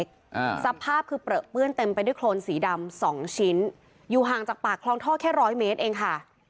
อ่าสภาพคือเปลือเปื้อนเต็มไปด้วยโครนสีดำสองชิ้นอยู่ห่างจากปากคลองท่อแค่ร้อยเมตรเองค่ะ